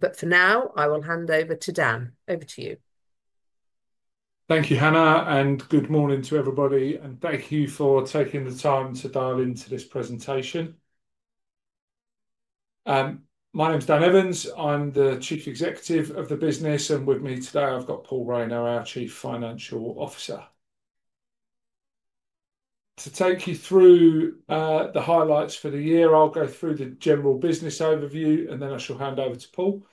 For now, I will hand over to Dan. Over to you. Thank you, Hannah, and good morning to everybody, and thank you for taking the time to dial into this presentation. My name's Dan Evans. I'm the Chief Executive Officer of the business, and with me today I've got Paul Rayner, our Chief Financial Officer. To take you through the highlights for the year, I'll go through the general business overview, and then I shall hand over to Paul.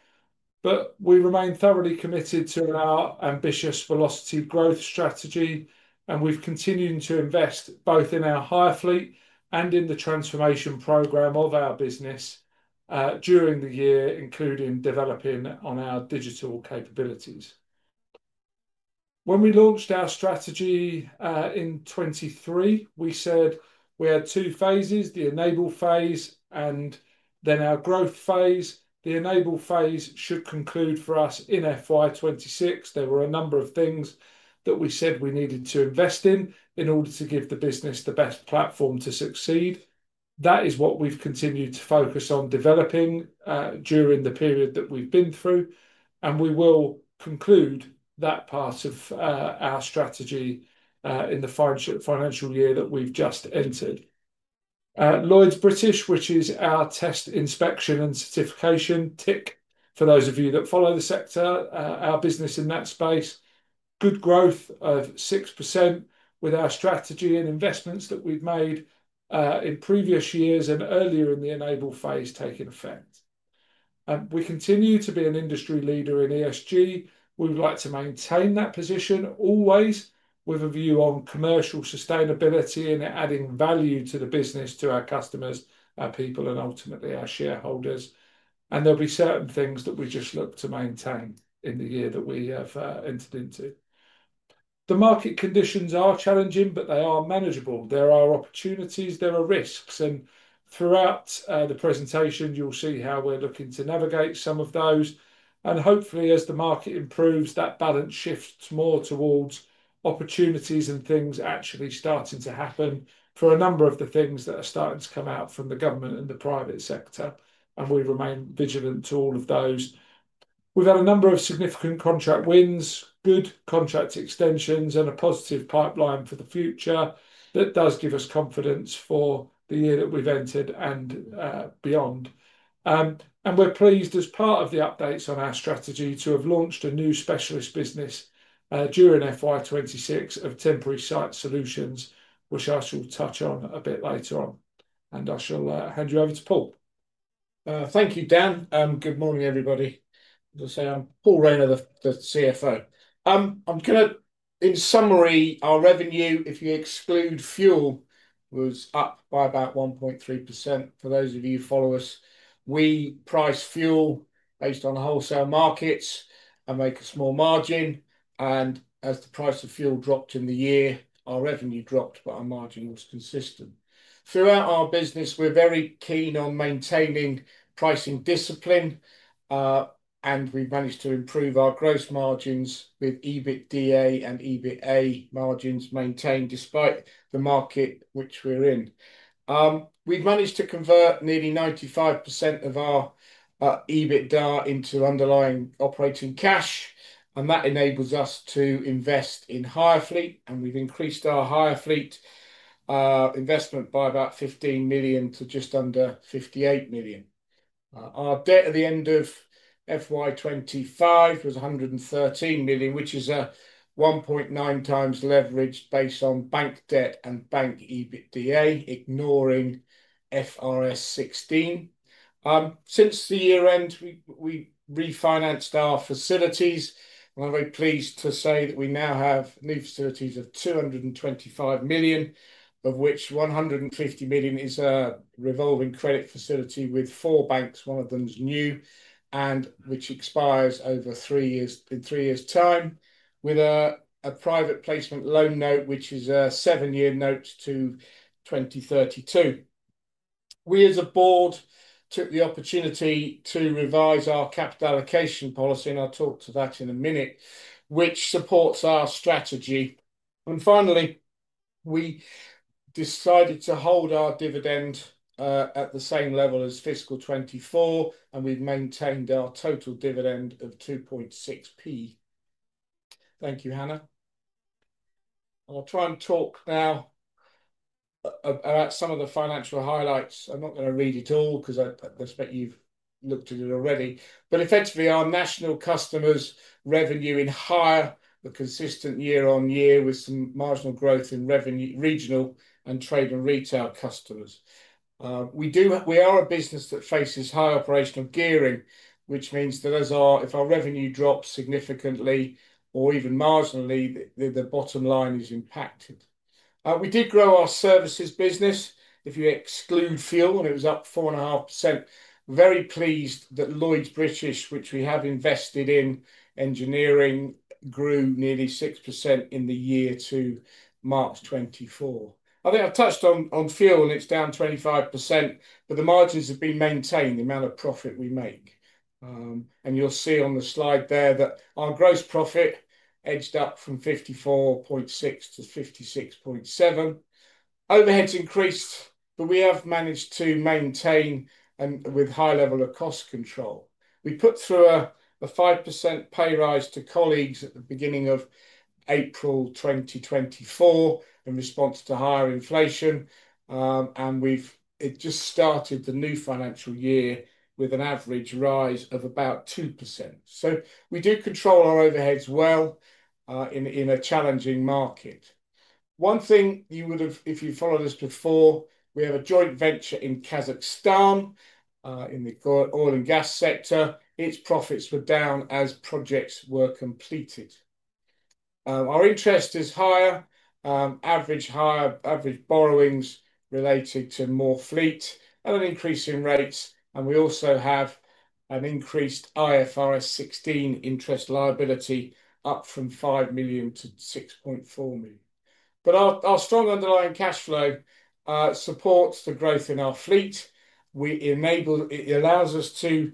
We remain thoroughly committed to our ambitious Velocity Strategy, and we've continued to invest both in our hire fleet and in the transformation program of our business during the year, including developing on our digital capabilities. When we launched our strategy in 2023, we said we had two phases: the enable phase and then our growth phase. The enable phase should conclude for us in FY2026. There were a number of things that we said we needed to invest in in order to give the business the best platform to succeed. That is what we've continued to focus on developing during the period that we've been through, and we will conclude that part of our strategy in the financial year that we've just entered. Lloyds British, which is our test, inspection, and certification tick for those of you that follow the sector, our business in that space, good growth of 6% with our strategy and investments that we've made in previous years and earlier in the enable phase taking effect. We continue to be an industry leader in ESG. We would like to maintain that position always with a view on commercial sustainability and adding value to the business, to our customers, our people, and ultimately our shareholders. There will be certain things that we just look to maintain in the year that we have entered into. The market conditions are challenging, but they are manageable. There are opportunities, there are risks, and throughout the presentation, you will see how we are looking to navigate some of those. Hopefully, as the market improves, that balance shifts more towards opportunities and things actually starting to happen for a number of the things that are starting to come out from the government and the private sector, and we remain vigilant to all of those. We have had a number of significant contract wins, good contract extensions, and a positive pipeline for the future that does give us confidence for the year that we have entered and beyond. We're pleased, as part of the updates on our strategy, to have launched a new specialist business during FY26 of temporary site solutions, which I shall touch on a bit later on. I shall hand you over to Paul. Thank you, Dan. Good morning, everybody. As I say, I'm Paul Rayner, the CFO. I'm going to, in summary, our revenue, if you exclude fuel, was up by about 1.3%. For those of you who follow us, we price fuel based on wholesale markets and make a small margin. As the price of fuel dropped in the year, our revenue dropped, but our margin was consistent. Throughout our business, we're very keen on maintaining pricing discipline, and we've managed to improve our gross margins with EBITDA and EBITA margins maintained despite the market which we're in. We've managed to convert nearly 95% of our EBITDA into underlying operating cash, and that enables us to invest in hire fleet, and we've increased our hire fleet investment by about 15 million to just under 58 million. Our debt at the end of FY25 was 113 million, which is a 1.9 times leverage based on bank debt and bank EBITDA, ignoring IFRS 16. Since the year-end, we refinanced our facilities, and I'm very pleased to say that we now have new facilities of 225 million, of which 150 million is a revolving credit facility with four banks, one of them's new, and which expires over three years in three years' time, with a private placement loan note, which is a seven-year note to 2032. We, as a board, took the opportunity to revise our capital allocation policy, and I'll talk to that in a minute, which supports our strategy. Finally, we decided to hold our dividend at the same level as fiscal 2024, and we've maintained our total dividend of 0.026. Thank you, Hannah. I'll try and talk now about some of the financial highlights. I'm not going to read it all because I suspect you've looked at it already. But effectively, our national customers' revenue in hire, the consistent year-on-year, with some marginal growth in revenue, regional and trade and retail customers. We are a business that faces high operational gearing, which means that if our revenue drops significantly or even marginally, the bottom line is impacted. We did grow our services business. If you exclude fuel, and it was up 4.5%. Very pleased that Lloyds British, which we have invested in engineering, grew nearly 6% in the year to March 2024. I think I've touched on fuel, and it's down 25%, but the margins have been maintained, the amount of profit we make. You'll see on the slide there that our gross profit edged up from 54.6-56.7. Overheads increased, but we have managed to maintain and with high level of cost control. We put through a 5% pay rise to colleagues at the beginning of April 2024 in response to higher inflation, and we've just started the new financial year with an average rise of about 2%. We do control our overheads well in a challenging market. One thing you would have, if you followed us before, we have a joint venture in Kazakhstan in the oil and gas sector. Its profits were down as projects were completed. Our interest is higher, average borrowings related to more fleet and an increase in rates, and we also have an increased IFRS 16 interest liability up from 5 million-6.4 million. Our strong underlying cash flow supports the growth in our fleet. It allows us to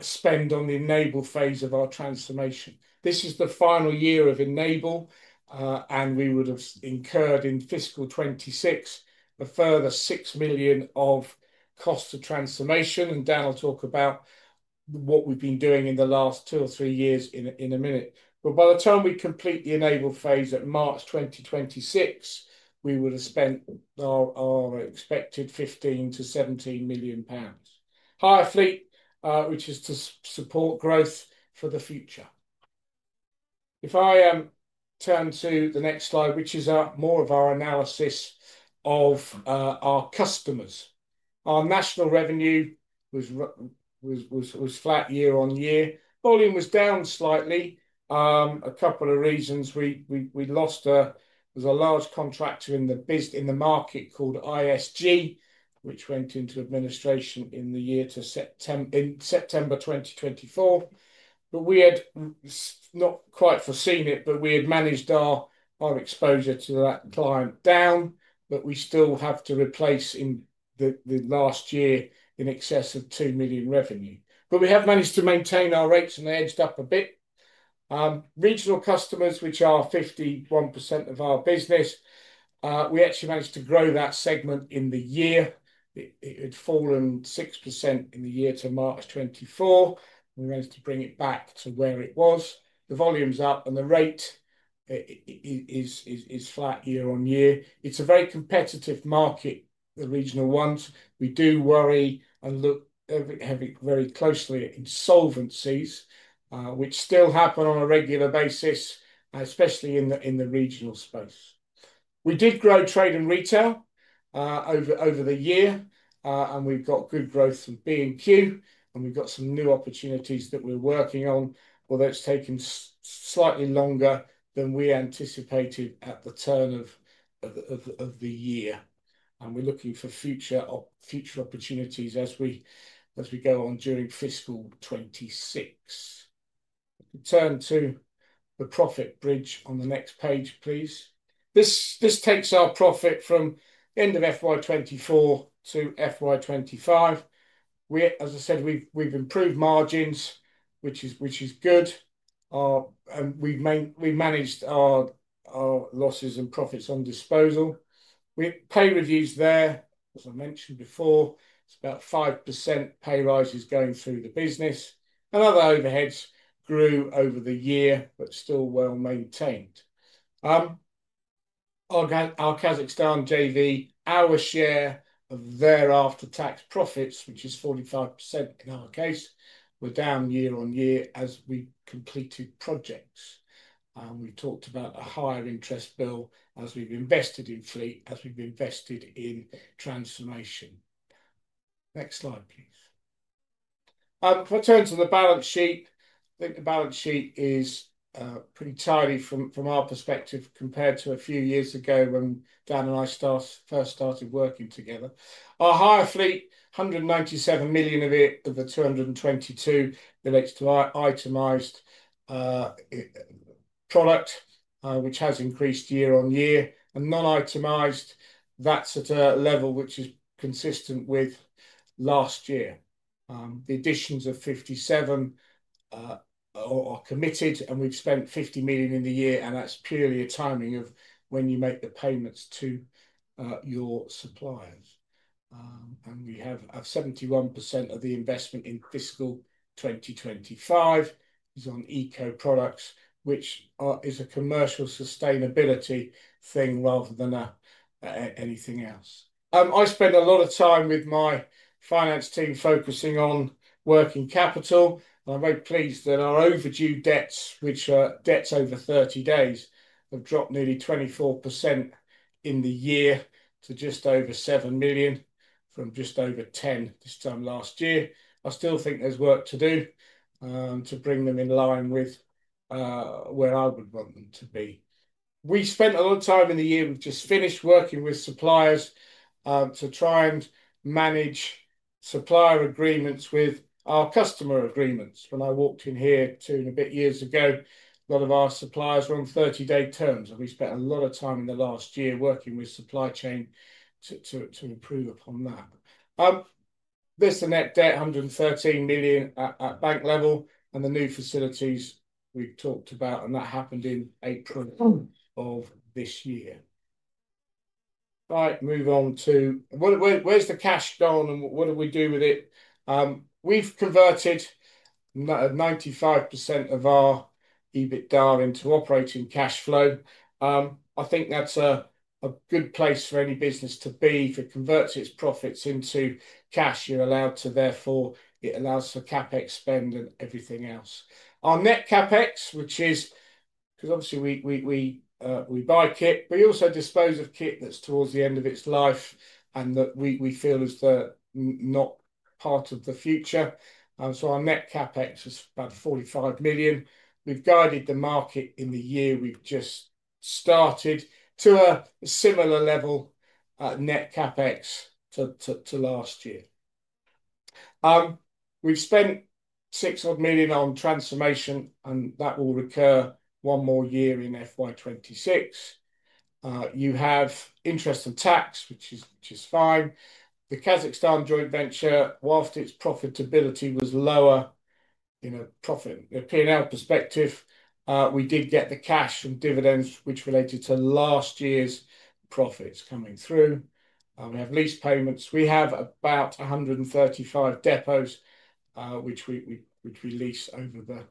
spend on the enable phase of our transformation. This is the final year of enable, and we would have incurred in fiscal 2026 a further 6 million of cost of transformation. Dan will talk about what we've been doing in the last two or three years in a minute. By the time we complete the enable phase at March 2026, we would have spent our expected 15 million-17 million pounds. Hire fleet, which is to support growth for the future. If I turn to the next slide, which is more of our analysis of our customers. Our national revenue was flat year-on-year. Volume was down slightly. A couple of reasons. We lost a large contractor in the market called ISG, which went into administration in the year to September in September 2024. We had not quite foreseen it, but we had managed our exposure to that client down, but we still have to replace in the last year in excess of 2 million revenue. We have managed to maintain our rates, and they edged up a bit. Regional customers, which are 51% of our business, we actually managed to grow that segment in the year. It had fallen 6% in the year to March 2024. We managed to bring it back to where it was. The volume is up, and the rate is flat year-on-year. It is a very competitive market, the regional ones. We do worry and look at it very closely at insolvencies, which still happen on a regular basis, especially in the regional space. We did grow trade and retail over the year, and we have got good growth from B&Q, and we have got some new opportunities that we are working on, although it has taken slightly longer than we anticipated at the turn of the year. We are looking for future opportunities as we go on during fiscal 2026. Turn to the profit bridge on the next page, please. This takes our profit from end of FY2024 to FY2025. As I said, we have improved margins, which is good. We have managed our losses and profits on disposal. Pay reviews there, as I mentioned before, it is about 5% pay rises going through the business. Other overheads grew over the year, but still well maintained. Our Kazakhstan JV, our share of thereafter tax profits, which is 45% in our case, were down year-on-year as we completed projects. We talked about a higher interest bill as we've invested in fleet, as we've invested in transformation. Next slide, please. If I turn to the balance sheet, I think the balance sheet is pretty tidy from our perspective compared to a few years ago when Dan and I first started working together. Our hire fleet, 197 million of it of the 222 million, the next itemized product, which has increased year-on-year. And non-itemized, that's at a level which is consistent with last year. The additions of 57 million are committed, and we've spent 50 million in the year, and that's purely a timing of when you make the payments to your suppliers. We have 71% of the investment in fiscal 2025 is on Eco Products, which is a commercial sustainability thing rather than anything else. I spend a lot of time with my finance team focusing on working capital. I'm very pleased that our overdue debts, which are debts over 30 days, have dropped nearly 24% in the year to just over 7 million from just over 10 million this time last year. I still think there's work to do to bring them in line with where I would want them to be. We spent a lot of time in the year. We've just finished working with suppliers to try and manage supplier agreements with our customer agreements. When I walked in here two and a bit years ago, a lot of our suppliers were on 30-day terms, and we spent a lot of time in the last year working with supply chain to improve upon that. There's a net debt, 113 million at bank level, and the new facilities we've talked about, and that happened in April of this year. All right, move on to where's the cash gone and what do we do with it? We've converted 95% of our EBITDA into operating cash flow. I think that's a good place for any business to be. If it converts its profits into cash, you're allowed to therefore, it allows for CapEx spend and everything else. Our net CapEx, which is because obviously we buy kit, but we also dispose of kit that's towards the end of its life and that we feel is not part of the future. So our net CapEx is about 45 million. We've guided the market in the year we've just started to a similar level net CapEx to last year. We've spent 600 million on transformation, and that will recur one more year in FY2026. You have interest and tax, which is fine. The Kazakhstan joint venture, whilst its profitability was lower in a profit P&L perspective, we did get the cash and dividends, which related to last year's profits coming through. We have lease payments. We have about 135 depots, which we lease over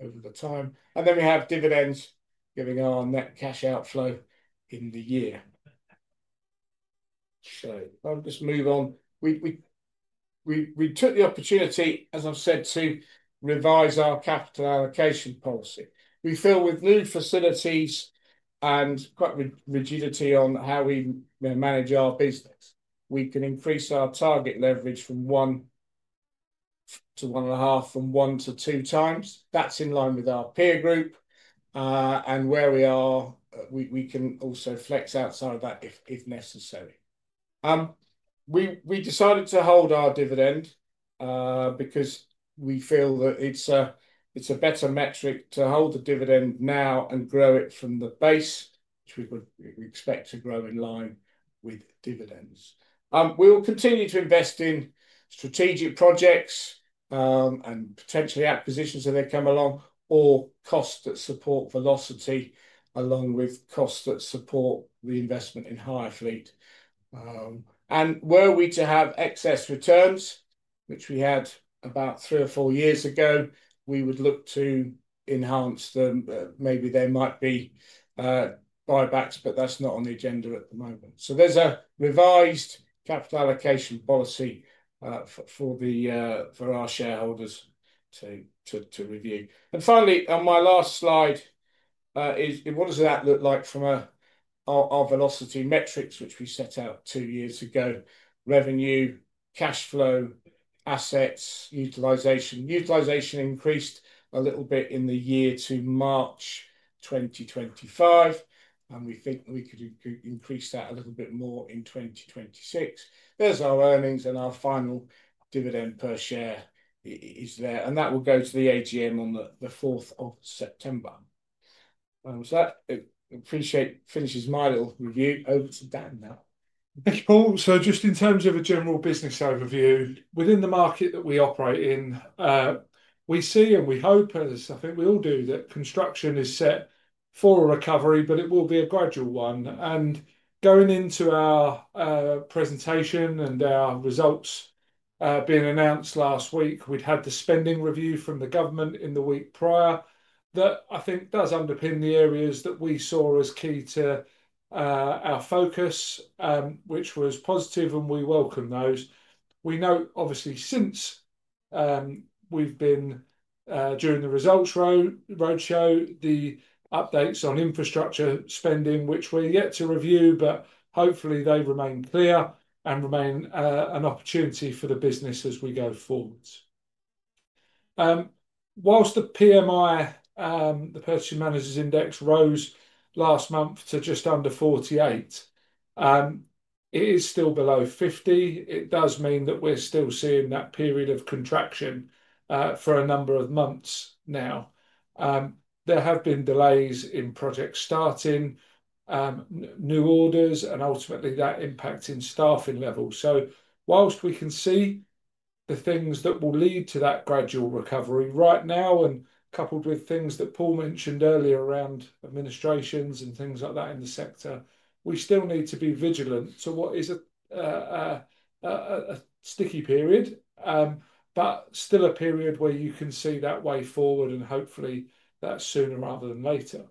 the time. We have dividends giving our net cash outflow in the year. I'll just move on. We took the opportunity, as I've said, to revise our capital allocation policy. We fill with new facilities and quite rigidity on how we manage our business. We can increase our target leverage from one to one and a half, from one to two times. That's in line with our peer group and where we are. We can also flex outside of that if necessary. We decided to hold our dividend because we feel that it's a better metric to hold the dividend now and grow it from the base, which we expect to grow in line with dividends. We will continue to invest in strategic projects and potentially acquisitions as they come along or costs that support Velocity along with costs that support the investment in hire fleet. Were we to have excess returns, which we had about three or four years ago, we would look to enhance them. Maybe there might be buybacks, but that's not on the agenda at the moment. There is a revised capital allocation policy for our shareholders to review. Finally, on my last slide, what does that look like from our Velocity metrics, which we set out two years ago? Revenue, cash flow, assets, utilization. Utilization increased a little bit in the year to March 2025, and we think we could increase that a little bit more in 2026. There is our earnings, and our final dividend per share is there. That will go to the AGM on the 4th of September. That finishes my little review. Over to Dan now. Thank you all. Just in terms of a general business overview, within the market that we operate in, we see and we hope, and I think we all do, that construction is set for a recovery, but it will be a gradual one. Going into our presentation and our results being announced last week, we had the spending review from the government in the week prior that I think does underpin the areas that we saw as key to our focus, which was positive, and we welcome those. We know, obviously, since we've been during the results roadshow, the updates on infrastructure spending, which we're yet to review, but hopefully they remain clear and remain an opportunity for the business as we go forwards. Whilst the PMI, the Purchasing Managers' Index, rose last month to just under 48, it is still below 50. It does mean that we're still seeing that period of contraction for a number of months now. There have been delays in project starting, new orders, and ultimately that impacting staffing levels. Whilst we can see the things that will lead to that gradual recovery right now and coupled with things that Paul mentioned earlier around administrations and things like that in the sector, we still need to be vigilant. It is a sticky period, but still a period where you can see that way forward, and hopefully that's sooner rather than later.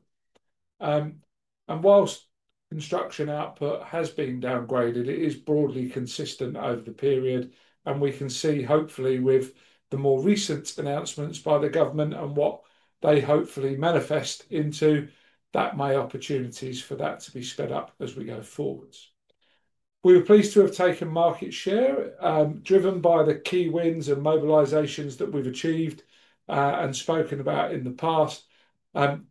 Whilst construction output has been downgraded, it is broadly consistent over the period. We can see, hopefully with the more recent announcements by the government and what they hopefully manifest into, that may create opportunities for that to be sped up as we go forwards. We were pleased to have taken market share, driven by the key wins and mobilizations that we've achieved and spoken about in the past.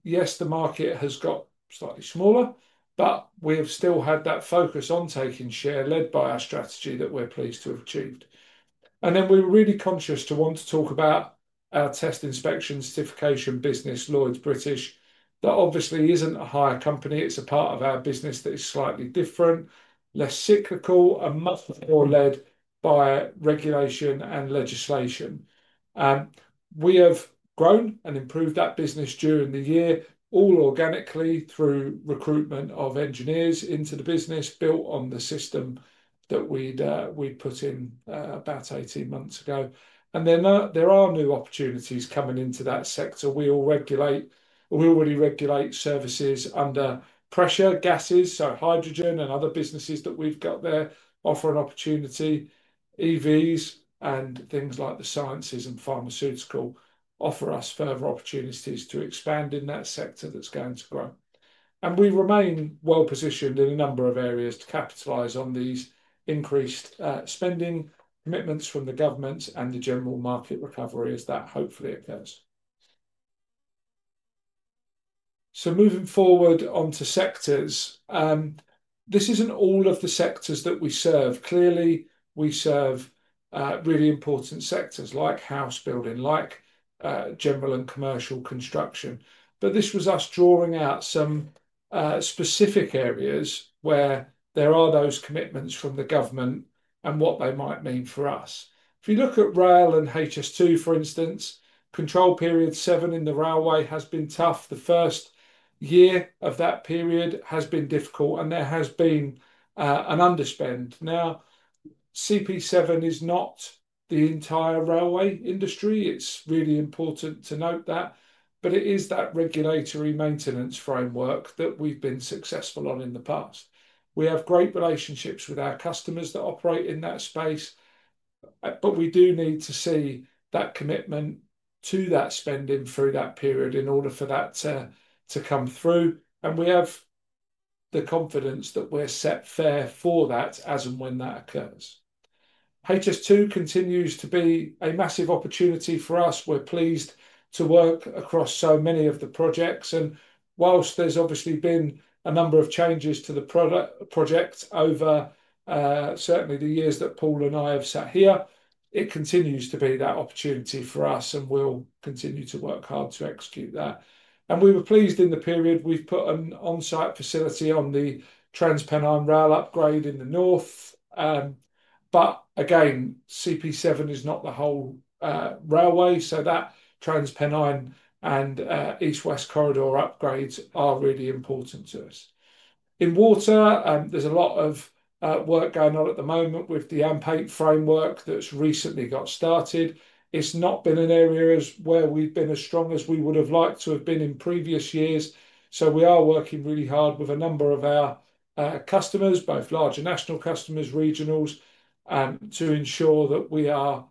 Yes, the market has got slightly smaller, but we have still had that focus on taking share led by our strategy that we're pleased to have achieved. We were really conscious to want to talk about our test inspection certification business, Lloyds British. That obviously is not a hire company. It is a part of our business that is slightly different, less cyclical, and much more led by regulation and legislation. We have grown and improved that business during the year, all organically through recruitment of engineers into the business built on the system that we put in about 18 months ago. There are new opportunities coming into that sector. We already regulate services under pressure, gases, so hydrogen and other businesses that we have there offer an opportunity. EVs and things like the sciences and pharmaceutical offer us further opportunities to expand in that sector that is going to grow. We remain well positioned in a number of areas to capitalize on these increased spending commitments from the government and the general market recovery as that hopefully occurs. Moving forward onto sectors, this is not all of the sectors that we serve. Clearly, we serve really important sectors like house building, like general and commercial construction. This was us drawing out some specific areas where there are those commitments from the government and what they might mean for us. If you look at rail and HS2, for instance, Control Period 7 in the railway has been tough. The first year of that period has been difficult, and there has been an underspend. Now, CP7 is not the entire railway industry. It is really important to note that, but it is that regulatory maintenance framework that we have been successful on in the past. We have great relationships with our customers that operate in that space, but we do need to see that commitment to that spending through that period in order for that to come through. We have the confidence that we are set fair for that as and when that occurs. HS2 continues to be a massive opportunity for us. We're pleased to work across so many of the projects. Whilst there's obviously been a number of changes to the project over certainly the years that Paul and I have sat here, it continues to be that opportunity for us, and we'll continue to work hard to execute that. We were pleased in the period we've put an on-site facility on the Transpennine Rail Upgrade in the north. Again, CP7 is not the whole railway, so that Transpennine and east-west corridor upgrades are really important to us. In water, there's a lot of work going on at the moment with the AMP8 framework that's recently got started. It's not been an area where we've been as strong as we would have liked to have been in previous years. We are working really hard with a number of our customers, both large and national customers, regionals, to ensure that we are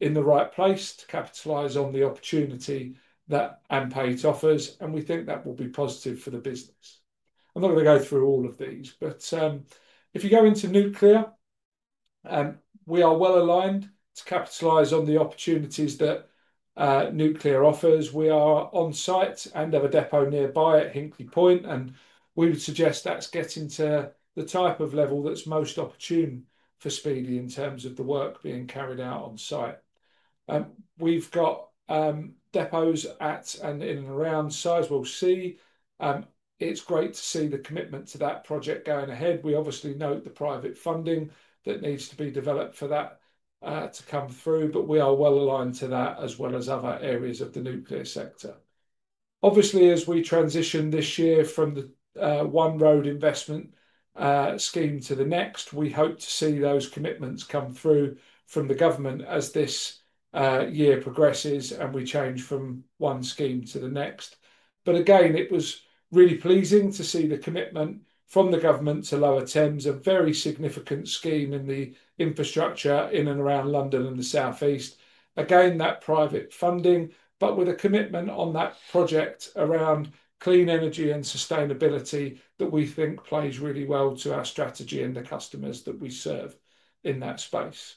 in the right place to capitalize on the opportunity that AMP8 offers. We think that will be positive for the business. I'm not going to go through all of these, but if you go into nuclear, we are well aligned to capitalize on the opportunities that nuclear offers. We are on site and have a depot nearby at Hinkley Point, and we would suggest that's getting to the type of level that's most opportune for Speedy in terms of the work being carried out on site. We've got depots at and in and around Sizewell C. It's great to see the commitment to that project going ahead. We obviously note the private funding that needs to be developed for that to come through, but we are well aligned to that as well as other areas of the nuclear sector. Obviously, as we transition this year from the one road investment scheme to the next, we hope to see those commitments come through from the government as this year progresses and we change from one scheme to the next. It was really pleasing to see the commitment from the government to lower TEMS, a very significant scheme in the infrastructure in and around London and the Southeast. That private funding, but with a commitment on that project around clean energy and sustainability that we think plays really well to our strategy and the customers that we serve in that space.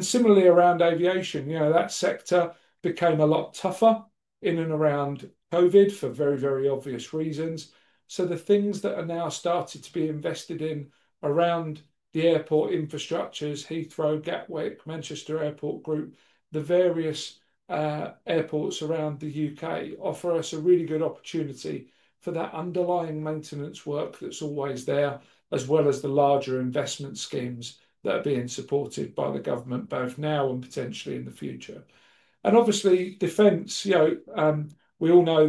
Similarly, around aviation, that sector became a lot tougher in and around COVID for very, very obvious reasons. The things that are now started to be invested in around the airport infrastructures, Heathrow, Gatwick, Manchester Airport Group, the various airports around the U.K. offer us a really good opportunity for that underlying maintenance work that is always there, as well as the larger investment schemes that are being supported by the government, both now and potentially in the future. Obviously, defence, we all know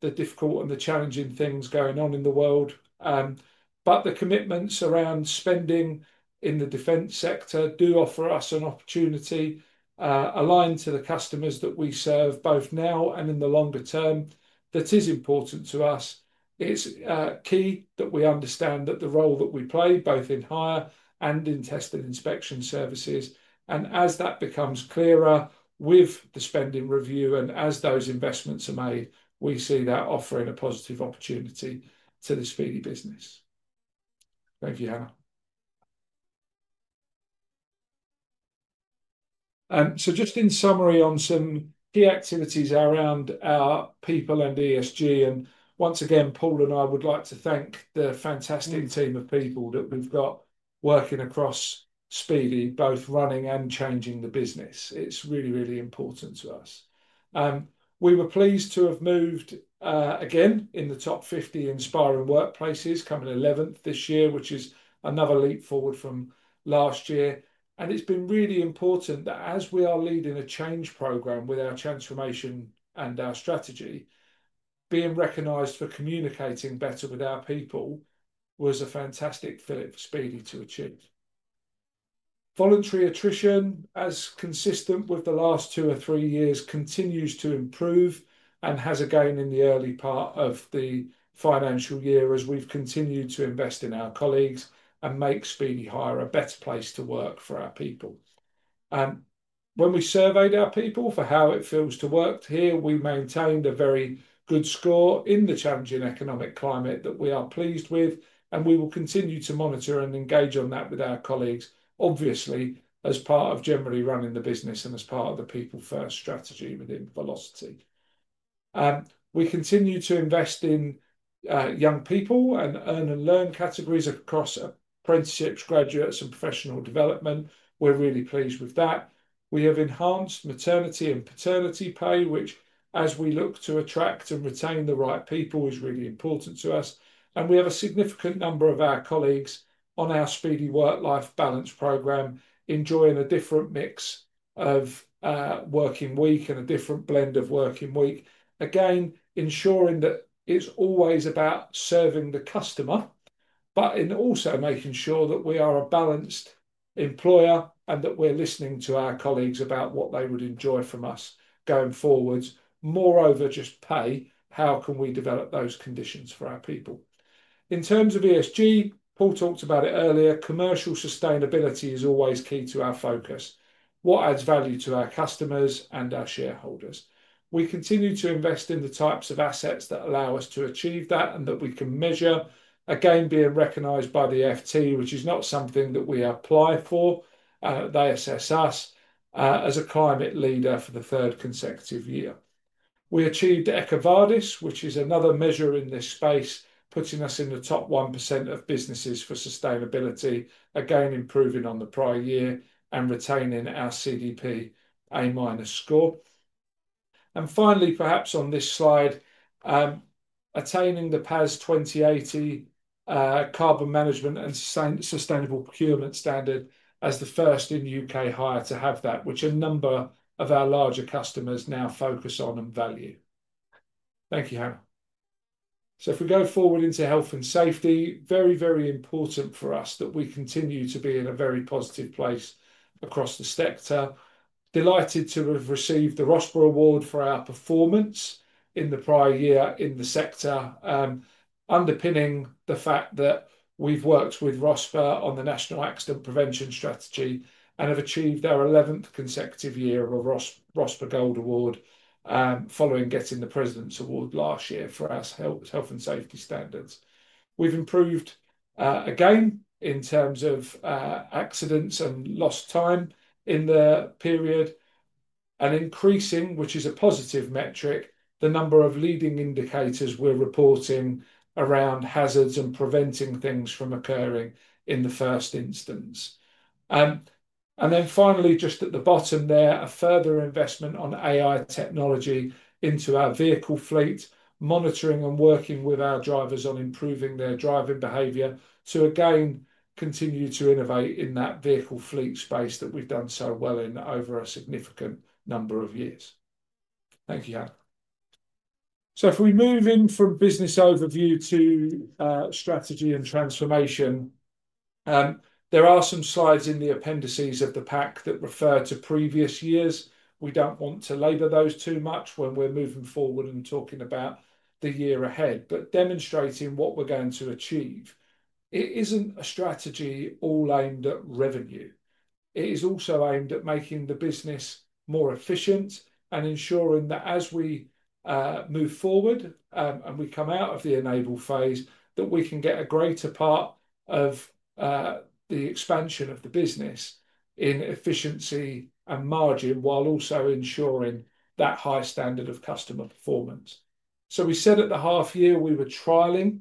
the difficult and the challenging things going on in the world, but the commitments around spending in the defence sector do offer us an opportunity aligned to the customers that we serve both now and in the longer term that is important to us. It is key that we understand the role that we play both in hire and in test and inspection services. As that becomes clearer with the spending review and as those investments are made, we see that offering a positive opportunity to the Speedy business. Thank you, Hannah. Just in summary on some key activities around our people and ESG, once again, Paul and I would like to thank the fantastic team of people that we've got working across Speedy, both running and changing the business. It's really, really important to us. We were pleased to have moved again in the top 50 inspiring workplaces coming 11th this year, which is another leap forward from last year. It's been really important that as we are leading a change program with our transformation and our strategy, being recognized for communicating better with our people was a fantastic fit for Speedy to achieve. Voluntary attrition, as consistent with the last two or three years, continues to improve and has a gain in the early part of the financial year as we've continued to invest in our colleagues and make Speedy Hire a better place to work for our people. When we surveyed our people for how it feels to work here, we maintained a very good score in the challenging economic climate that we are pleased with, and we will continue to monitor and engage on that with our colleagues, obviously as part of generally running the business and as part of the people-first strategy within Velocity. We continue to invest in young people and earn and learn categories across apprenticeships, graduates, and professional development. We're really pleased with that. We have enhanced maternity and paternity pay, which, as we look to attract and retain the right people, is really important to us. We have a significant number of our colleagues on our Speedy Work-Life Balance program enjoying a different mix of working week and a different blend of working week. Again, ensuring that it is always about serving the customer, but in also making sure that we are a balanced employer and that we are listening to our colleagues about what they would enjoy from us going forwards. Moreover, just pay, how can we develop those conditions for our people? In terms of ESG, Paul talked about it earlier, commercial sustainability is always key to our focus. What adds value to our customers and our shareholders? We continue to invest in the types of assets that allow us to achieve that and that we can measure, again, being recognized by the FT, which is not something that we apply for. They assess us as a climate leader for the third consecutive year. We achieved EcoVadis, which is another measure in this space, putting us in the top 1% of businesses for sustainability, again, improving on the prior year and retaining our CDP A-minus score. Finally, perhaps on this slide, attaining the PAS 2080 carbon management and sustainable procurement standard as the first in U.K. Hire to have that, which a number of our larger customers now focus on and value. Thank you, Hannah. If we go forward into health and safety, very, very important for us that we continue to be in a very positive place across the sector. Delighted to have received the RoSPA Award for our performance in the prior year in the sector, underpinning the fact that we've worked with RoSPA on the National Accident Prevention Strategy and have achieved our 11th consecutive year of RoSPA Gold Award following getting the President's Award last year for our health and safety standards. We've improved, again, in terms of accidents and lost time in the period, and increasing, which is a positive metric, the number of leading indicators we're reporting around hazards and preventing things from occurring in the first instance. Finally, just at the bottom there, a further investment on AI technology into our vehicle fleet, monitoring and working with our drivers on improving their driving behavior to, again, continue to innovate in that vehicle fleet space that we've done so well in over a significant number of years. Thank you, Hannah. If we move in from business overview to strategy and transformation, there are some slides in the appendices of the pack that refer to previous years. We do not want to labor those too much when we are moving forward and talking about the year ahead, but demonstrating what we are going to achieve. It is not a strategy all aimed at revenue. It is also aimed at making the business more efficient and ensuring that as we move forward and we come out of the enable phase, we can get a greater part of the expansion of the business in efficiency and margin while also ensuring that high standard of customer performance. We said at the half year we were trialing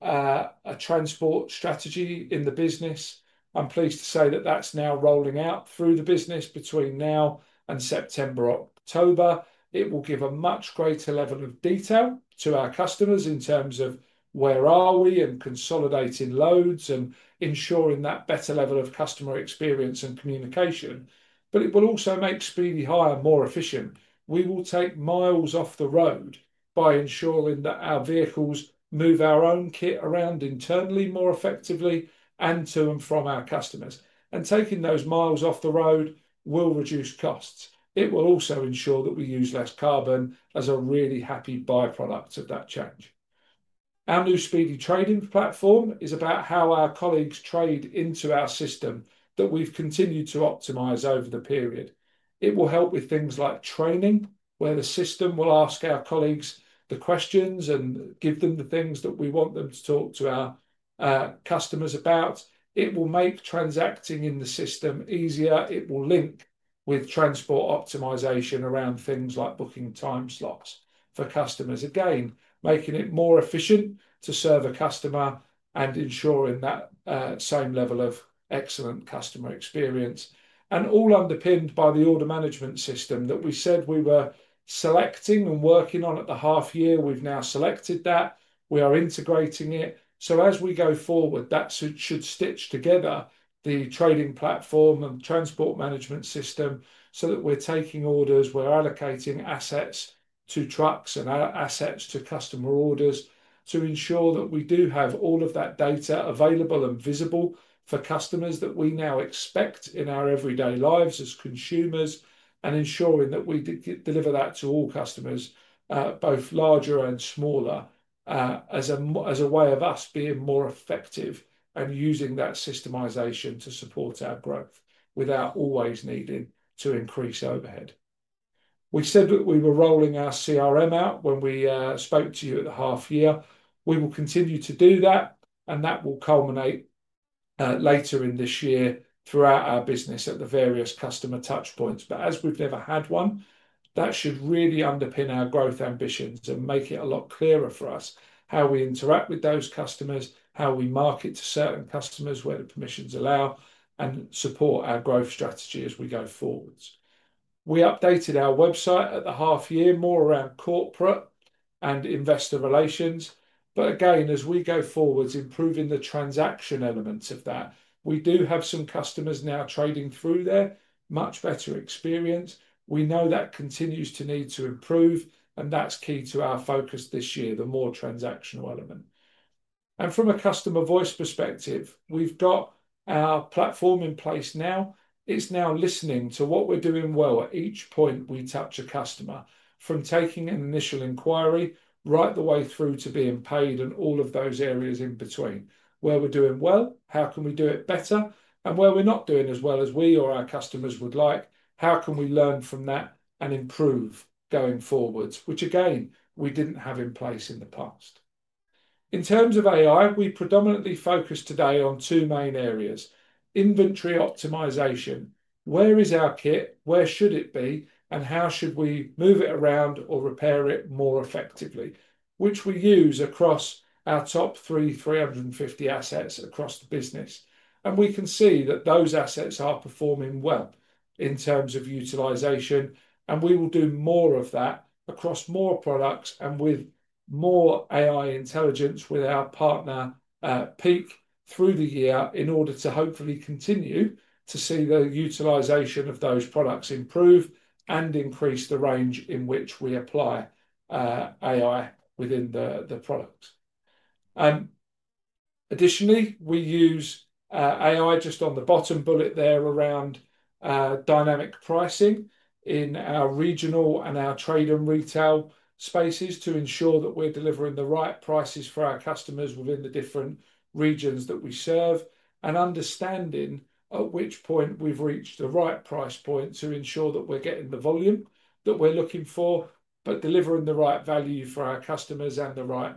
a transport strategy in the business. I am pleased to say that is now rolling out through the business between now and September, October. It will give a much greater level of detail to our customers in terms of where are we and consolidating loads and ensuring that better level of customer experience and communication. It will also make Speedy Hire more efficient. We will take miles off the road by ensuring that our vehicles move our own kit around internally more effectively and to and from our customers. Taking those miles off the road will reduce costs. It will also ensure that we use less carbon as a really happy byproduct of that change. Our new Speedy trading platform is about how our colleagues trade into our system that we have continued to optimize over the period. It will help with things like training, where the system will ask our colleagues the questions and give them the things that we want them to talk to our customers about. It will make transacting in the system easier. It will link with transport optimization around things like booking time slots for customers, again, making it more efficient to serve a customer and ensuring that same level of excellent customer experience. All underpinned by the order management system that we said we were selecting and working on at the half year, we have now selected that. We are integrating it. As we go forward, that should stitch together the trading platform and transport management system so that we're taking orders, we're allocating assets to trucks and assets to customer orders to ensure that we do have all of that data available and visible for customers that we now expect in our everyday lives as consumers and ensuring that we deliver that to all customers, both larger and smaller, as a way of us being more effective and using that systemization to support our growth without always needing to increase overhead. We said that we were rolling our CRM out when we spoke to you at the half year. We will continue to do that, and that will culminate later in this year throughout our business at the various customer touchpoints. As we have never had one, that should really underpin our growth ambitions and make it a lot clearer for us how we interact with those customers, how we market to certain customers where the permissions allow, and support our growth strategy as we go forwards. We updated our website at the half year more around corporate and investor relations. As we go forwards, improving the transaction elements of that, we do have some customers now trading through there, much better experience. We know that continues to need to improve, and that is key to our focus this year, the more transactional element. From a customer voice perspective, we have our platform in place now. It's now listening to what we're doing well at each point we touch a customer, from taking an initial inquiry right the way through to being paid and all of those areas in between. Where we're doing well, how can we do it better, and where we're not doing as well as we or our customers would like, how can we learn from that and improve going forwards, which again, we didn't have in place in the past. In terms of AI, we predominantly focus today on two main areas: inventory optimization, where is our kit, where should it be, and how should we move it around or repair it more effectively, which we use across our top 350 assets across the business. We can see that those assets are performing well in terms of utilization, and we will do more of that across more products and with more AI intelligence with our partner Peak through the year in order to hopefully continue to see the utilization of those products improve and increase the range in which we apply AI within the products. Additionally, we use AI just on the bottom bullet there around dynamic pricing in our regional and our trade and retail spaces to ensure that we're delivering the right prices for our customers within the different regions that we serve and understanding at which point we've reached the right price point to ensure that we're getting the volume that we're looking for, but delivering the right value for our customers and the right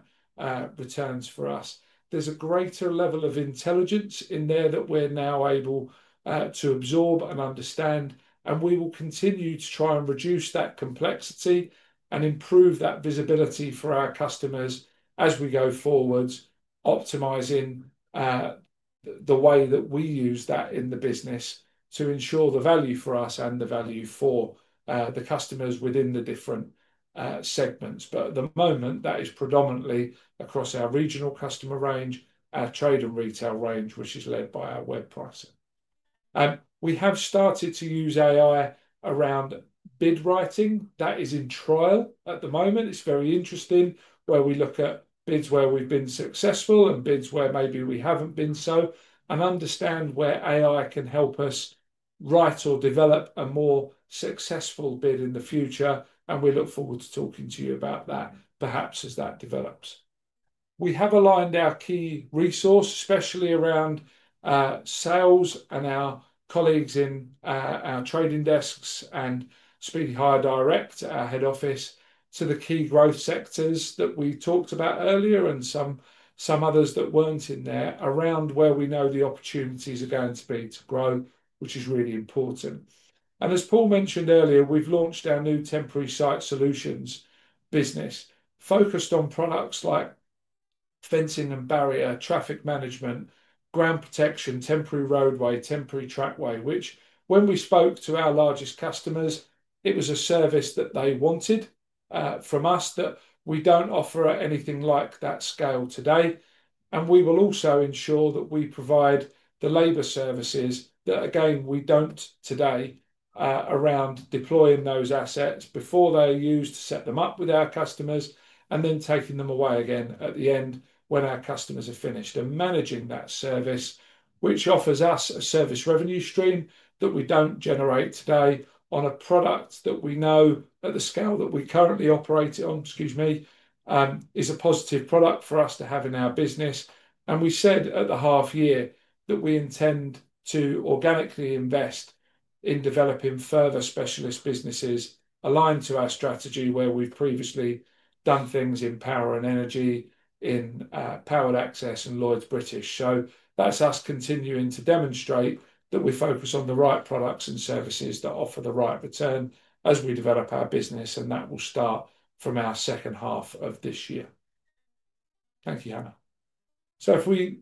returns for us. There's a greater level of intelligence in there that we're now able to absorb and understand, and we will continue to try and reduce that complexity and improve that visibility for our customers as we go forwards, optimizing the way that we use that in the business to ensure the value for us and the value for the customers within the different segments. At the moment, that is predominantly across our regional customer range, our trade and retail range, which is led by our web pricing. We have started to use AI around bid writing. That is in trial at the moment. It's very interesting where we look at bids where we've been successful and bids where maybe we haven't been so and understand where AI can help us write or develop a more successful bid in the future. We look forward to talking to you about that, perhaps as that develops. We have aligned our key resource, especially around sales and our colleagues in our trading desks and Speedy Hire Direct, our head office, to the key growth sectors that we talked about earlier and some others that were not in there around where we know the opportunities are going to be to grow, which is really important. As Paul mentioned earlier, we have launched our new temporary site solutions business focused on products like fencing and barrier, traffic management, ground protection, temporary roadway, temporary trackway, which, when we spoke to our largest customers, was a service that they wanted from us that we do not offer at anything like that scale today. We will also ensure that we provide the labor services that, again, we do not today around deploying those assets before they are used to set them up with our customers and then taking them away again at the end when our customers are finished and managing that service, which offers us a service revenue stream that we do not generate today on a product that we know at the scale that we currently operate on, excuse me, is a positive product for us to have in our business. We said at the half year that we intend to organically invest in developing further specialist businesses aligned to our strategy where we have previously done things in power and energy, in powered access, and Lloyds British. That is us continuing to demonstrate that we focus on the right products and services that offer the right return as we develop our business, and that will start from our second half of this year. Thank you, Hannah. If we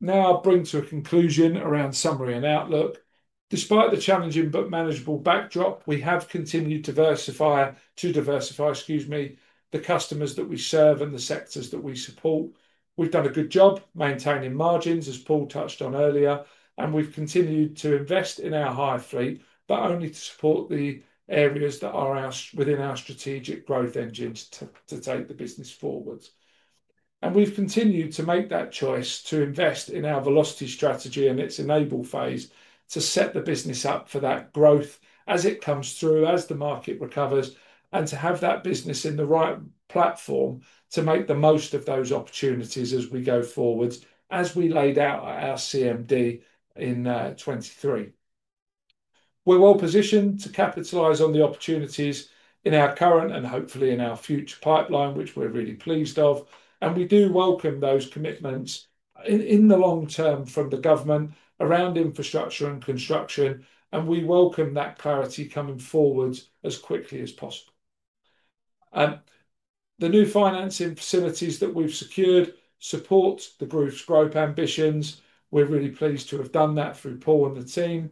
now bring to a conclusion around summary and outlook, despite the challenging but manageable backdrop, we have continued to diversify the customers that we serve and the sectors that we support. We have done a good job maintaining margins, as Paul touched on earlier, and we have continued to invest in our hire fleet, but only to support the areas that are within our strategic growth engines to take the business forwards. We have continued to make that choice to invest in our Velocity Strategy and its enable phase to set the business up for that growth as it comes through, as the market recovers, and to have that business in the right platform to make the most of those opportunities as we go forwards, as we laid out at our CMD in 2023. We are well positioned to capitalize on the opportunities in our current and hopefully in our future pipeline, which we are really pleased with. We do welcome those commitments in the long term from the government around infrastructure and construction, and we welcome that clarity coming forward as quickly as possible. The new financing facilities that we have secured support the group's growth ambitions. We are really pleased to have done that through Paul and the team.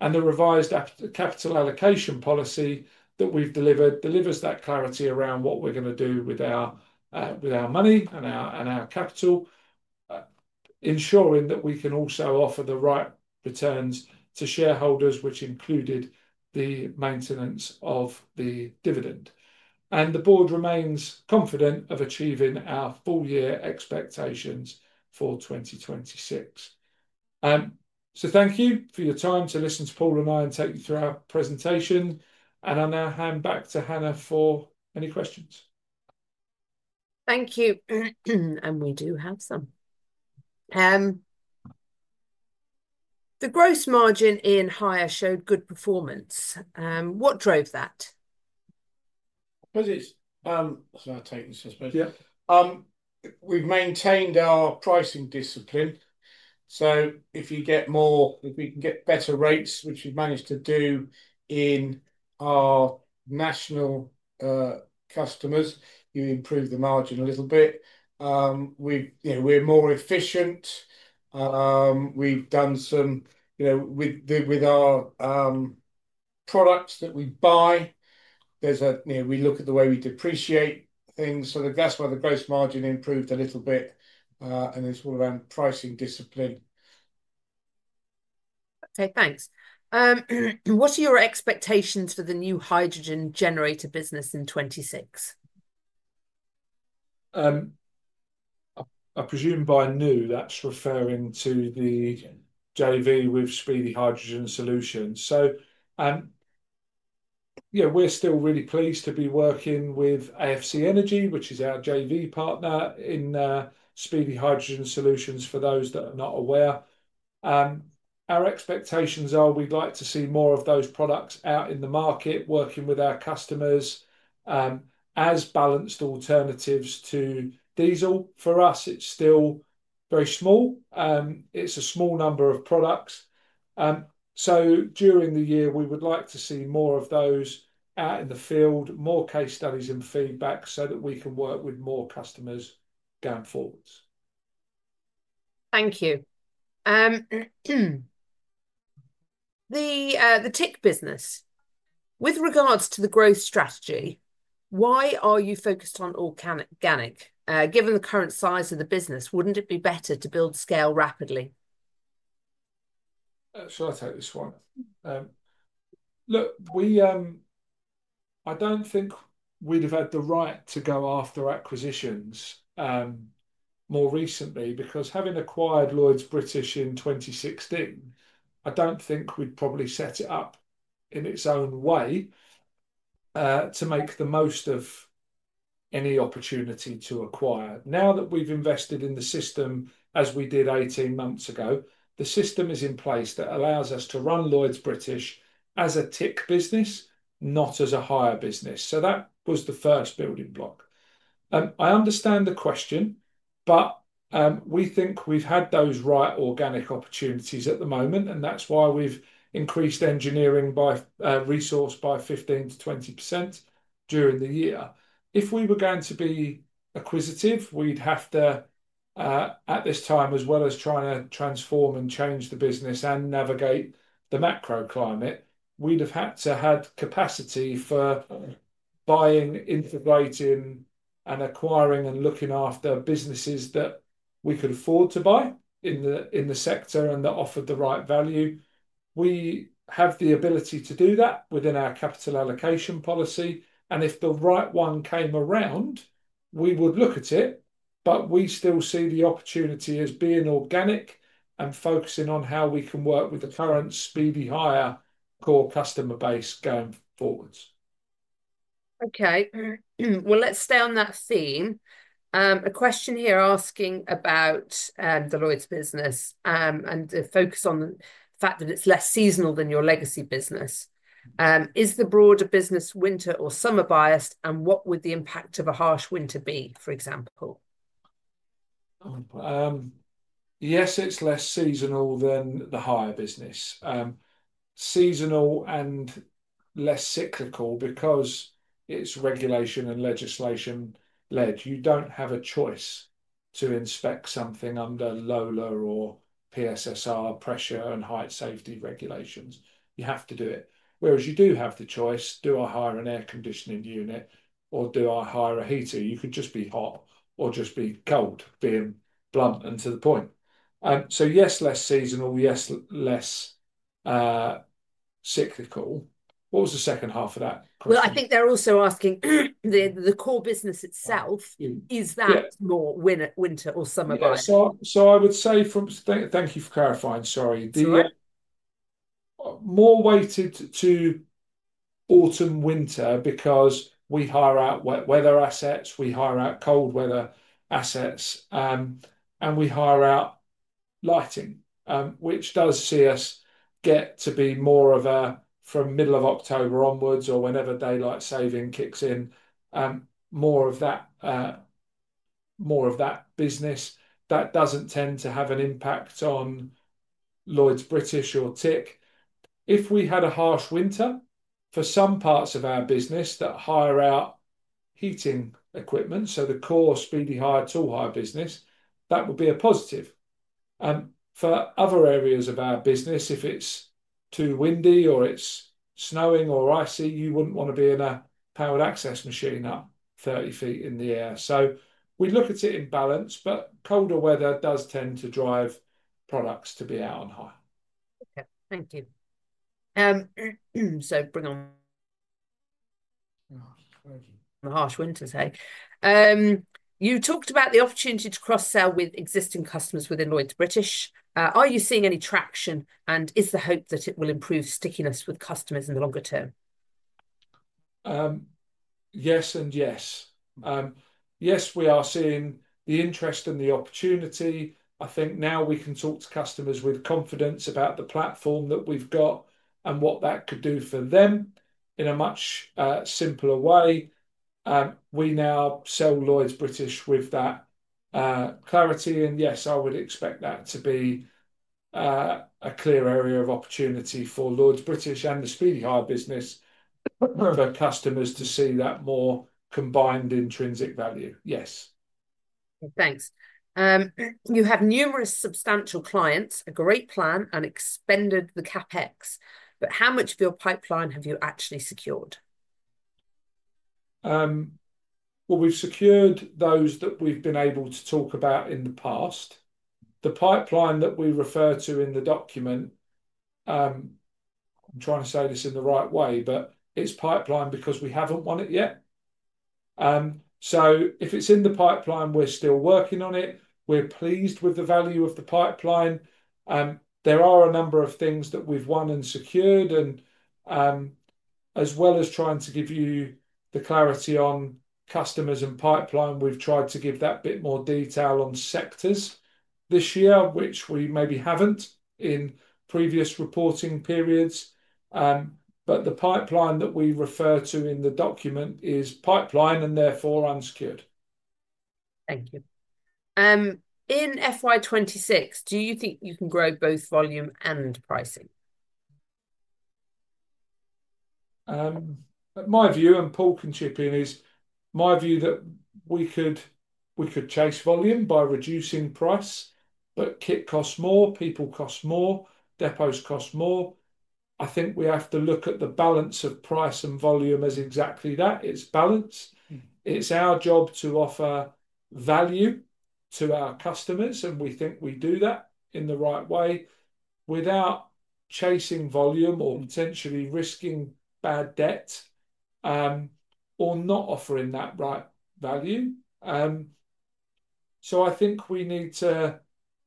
The revised capital allocation policy that we have delivered delivers that clarity around what we are going to do with our money and our capital, ensuring that we can also offer the right returns to shareholders, which included the maintenance of the dividend. The board remains confident of achieving our full year expectations for 2026. Thank you for your time to listen to Paul and I and take you through our presentation. I will now hand back to Hannah for any questions. Thank you. We do have some. The gross margin in hire showed good performance. What drove that? What is it? That is my take, I suppose. Yeah. We have maintained our pricing discipline. If you get more, if we can get better rates, which we have managed to do in our national customers, you improve the margin a little bit. We are more efficient. We've done some with our products that we buy. We look at the way we depreciate things. That is where the gross margin improved a little bit. It is all around pricing discipline. Okay, thanks. What are your expectations for the new hydrogen generator business in 2026? I presume by new, that is referring to the JV with Speedy Hydrogen Solutions. We are still really pleased to be working with AFC Energy, which is our JV partner in Speedy Hydrogen Solutions for those that are not aware. Our expectations are we would like to see more of those products out in the market, working with our customers as balanced alternatives to diesel. For us, it is still very small. It is a small number of products. During the year, we would like to see more of those out in the field, more case studies and feedback so that we can work with more customers going forwards. Thank you. The tick business. With regards to the growth strategy, why are you focused on organic? Given the current size of the business, would not it be better to build scale rapidly? Should I take this one? Look, I do not think we would have had the right to go after acquisitions more recently because having acquired Lloyds British in 2016, I do not think we had probably set it up in its own way to make the most of any opportunity to acquire. Now that we have invested in the system as we did 18 months ago, the system is in place that allows us to run Lloyds British as a tick business, not as a hire business. That was the first building block. I understand the question, but we think we've had those right organic opportunities at the moment, and that's why we've increased engineering resource by 15%-20% during the year. If we were going to be acquisitive, we'd have to, at this time, as well as trying to transform and change the business and navigate the macro climate, we'd have had to have capacity for buying, integrating, and acquiring and looking after businesses that we could afford to buy in the sector and that offered the right value. We have the ability to do that within our capital allocation policy. If the right one came around, we would look at it, but we still see the opportunity as being organic and focusing on how we can work with the current Speedy Hire core customer base going forwards. Okay. Let's stay on that theme. A question here asking about the Lloyds British business and the focus on the fact that it's less seasonal than your legacy business. Is the broader business winter or summer biased, and what would the impact of a harsh winter be, for example? Yes, it's less seasonal than the hire business. Seasonal and less cyclical because it's regulation and legislation led. You don't have a choice to inspect something under LOLER or PSSR pressure and height safety regulations. You have to do it. Whereas you do have the choice, do I hire an air conditioning unit or do I hire a heater? You could just be hot or just be cold, being blunt and to the point. Yes, less seasonal, yes, less cyclical. What was the second half of that? I think they're also asking the core business itself, is that more winter or summer biased? I would say, thank you for clarifying. Sorry. More weighted to autumn, winter because we hire out weather assets, we hire out cold weather assets, and we hire out lighting, which does see us get to be more of a, from middle of October onwards or whenever daylight saving kicks in, more of that business. That doesn't tend to have an impact on Lloyds British or tick. If we had a harsh winter for some parts of our business that hire out heating equipment, so the core Speedy Hire tool hire business, that would be a positive. For other areas of our business, if it's too windy or it's snowing or icy, you wouldn't want to be in a powered access machine up 30 ft in the air. We look at it in balance, but colder weather does tend to drive products to be out on hire. Okay. Thank you. Bring on the harsh winters, hey. You talked about the opportunity to cross-sell with existing customers within Lloyds British. Are you seeing any traction, and is the hope that it will improve stickiness with customers in the longer term? Yes and yes. Yes, we are seeing the interest and the opportunity. I think now we can talk to customers with confidence about the platform that we've got and what that could do for them in a much simpler way. We now sell Lloyds British with that clarity. Yes, I would expect that to be a clear area of opportunity for Lloyds British and the Speedy Hire business for customers to see that more combined intrinsic value. Yes. Thanks. You have numerous substantial clients, a great plan, and expended the CapEx. How much of your pipeline have you actually secured? We've secured those that we've been able to talk about in the past. The pipeline that we refer to in the document, I'm trying to say this in the right way, but it's pipeline because we haven't won it yet. If it's in the pipeline, we're still working on it. We're pleased with the value of the pipeline. There are a number of things that we've won and secured. As well as trying to give you the clarity on customers and pipeline, we've tried to give that bit more detail on sectors this year, which we maybe haven't in previous reporting periods. The pipeline that we refer to in the document is pipeline and therefore unsecured. Thank you. In FY26, do you think you can grow both volume and pricing? My view, and Paul can chip in, is my view that we could chase volume by reducing price, but kit costs more, people cost more, depots cost more. I think we have to look at the balance of price and volume as exactly that. It is balance. It is our job to offer value to our customers, and we think we do that in the right way without chasing volume or potentially risking bad debt or not offering that right value. I think we need to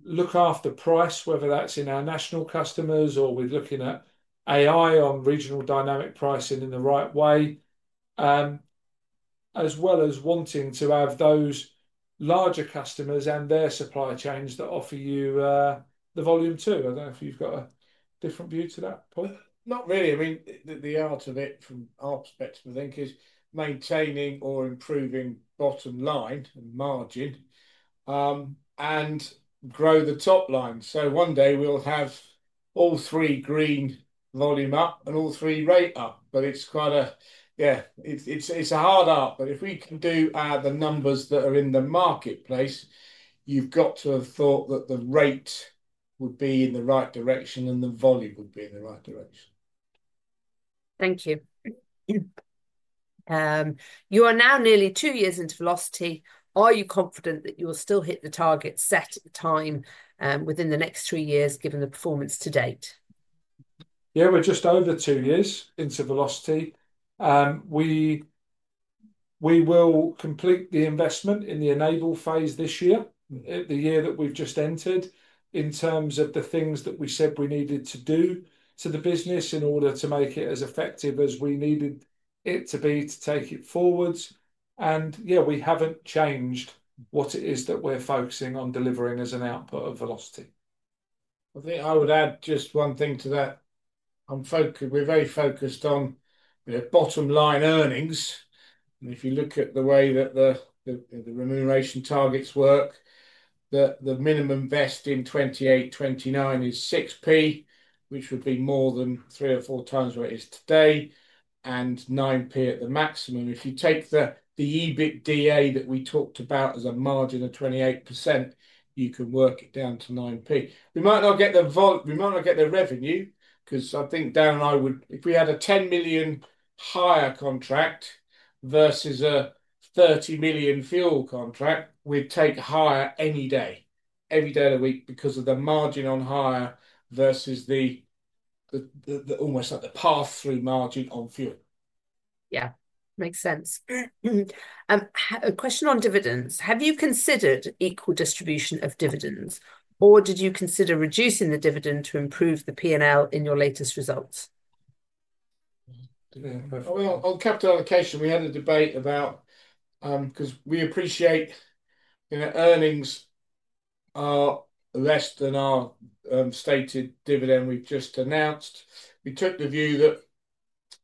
look after price, whether that is in our national customers or we are looking at AI on regional dynamic pricing in the right way, as well as wanting to have those larger customers and their supply chains that offer you the volume too. I do not know if you have got a different view to that, Paul. Not really. I mean, the art of it from our perspective, I think, is maintaining or improving bottom line and margin and grow the top line. One day we'll have all three green volume up and all three rate up. It's quite a, yeah, it's a hard art. If we can do the numbers that are in the marketplace, you've got to have thought that the rate would be in the right direction and the volume would be in the right direction. Thank you. You are now nearly two years into Velocity. Are you confident that you will still hit the target set at the time within the next three years given the performance to date? Yeah, we're just over two years into Velocity. We will complete the investment in the enable phase this year, the year that we've just entered, in terms of the things that we said we needed to do to the business in order to make it as effective as we needed it to be to take it forwards. Yeah, we haven't changed what it is that we're focusing on delivering as an output of Velocity. I think I would add just one thing to that. We're very focused on bottom line earnings. If you look at the way that the remuneration targets work, the minimum vest in 2028-2029 is 0.06, which would be more than three or four times what it is today, and 0.09 at the maximum. If you take the EBITDA that we talked about as a margin of 28%, you can work it down to 0.09. We might not get the revenue because I think Dan and I would, if we had a 10 million hire contract versus a 30 million fuel contract, we'd take hire any day, every day of the week because of the margin on hire versus the almost like the pass-through margin on fuel. Yeah. Makes sense. A question on dividends. Have you considered equal distribution of dividends, or did you consider reducing the dividend to improve the P&L in your latest results? On capital allocation, we had a debate about because we appreciate earnings are less than our stated dividend we've just announced. We took the view that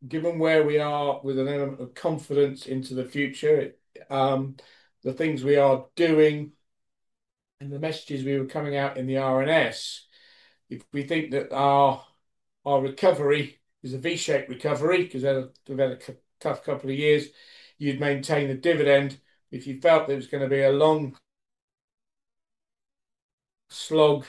given where we are with an element of confidence into the future, the things we are doing and the messages we were coming out in the R&S, if we think that our recovery is a V-shaped recovery because we've had a tough couple of years, you'd maintain the dividend. If you felt there was going to be a long slog,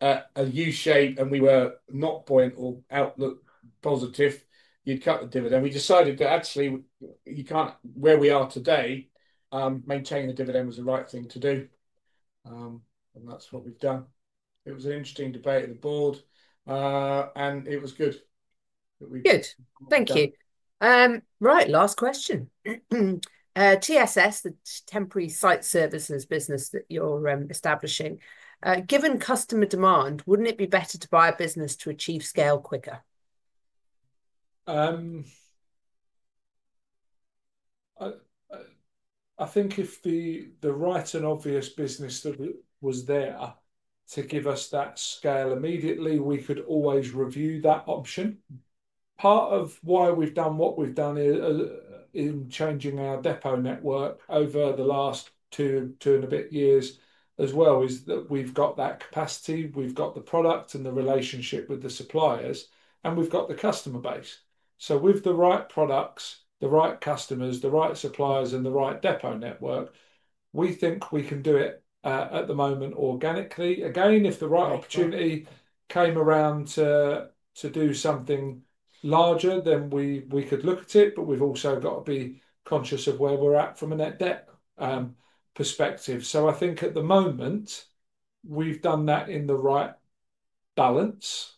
a U-shape, and we were not point or outlook positive, you'd cut the dividend. We decided that actually where we are today, maintaining the dividend was the right thing to do. That is what we've done. It was an interesting debate at the board, and it was good. Good. Thank you. Right. Last question. TSS, the temporary site services business that you're establishing, given customer demand, wouldn't it be better to buy a business to achieve scale quicker? I think if the right and obvious business that was there to give us that scale immediately, we could always review that option. Part of why we've done what we've done in changing our depot network over the last two and a bit years as well is that we've got that capacity, we've got the product and the relationship with the suppliers, and we've got the customer base. With the right products, the right customers, the right suppliers, and the right depot network, we think we can do it at the moment organically. Again, if the right opportunity came around to do something larger, then we could look at it, but we've also got to be conscious of where we're at from a net debt perspective. I think at the moment, we've done that in the right balance,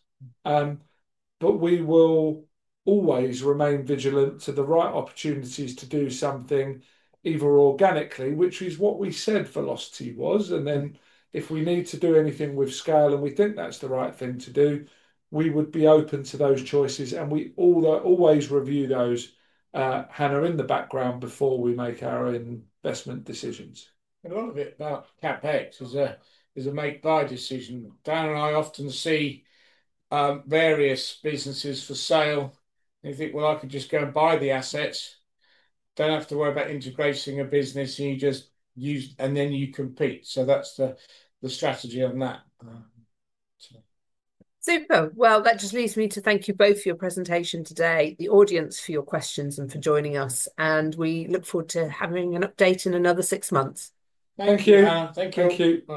but we will always remain vigilant to the right opportunities to do something either organically, which is what we said Velocity was. If we need to do anything with scale and we think that's the right thing to do, we would be open to those choices, and we always review those, Hannah, in the background before we make our investment decisions. A lot of it about CapEx is a make-buy decision. Dan and I often see various businesses for sale. You think, well, I could just go and buy the assets, don't have to worry about integrating a business, and you just use, and then you compete. That's the strategy on that. Super. That just leads me to thank you both for your presentation today, the audience for your questions, and for joining us. We look forward to having an update in another six months. Thank you. Thank you. Thank you.